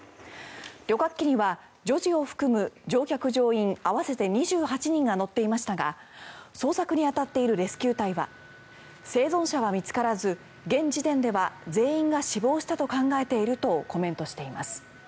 旅客機には女児を含む乗客・乗員合わせて２８人が乗っていましたが捜索に当たっているレスキュー隊は生存者は見つからず、現時点では全員が死亡したと考えているとコメントしています。